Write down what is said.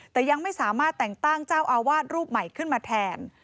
แต่ยังไม่สามารถแต่งตั้งเจ้าอาวาสรูปใหม่ขึ้นมาแทน